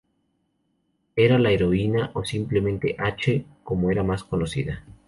Era la heroína, o simplemente "H", como era más conocida.